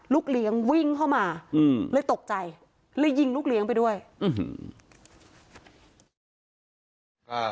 ลูกเลี้ยงวิ่งเข้ามาอืมเลยตกใจเลยยิงลูกเลี้ยงไปด้วยอื้อหือ